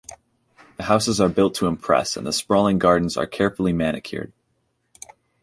The houses are built to impress and the sprawling gardens are carefully manicured.